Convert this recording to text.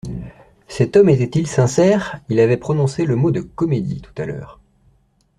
Cet homme était-il sincère ? Il avait prononcé le mot de «comédie», tout à l’heure.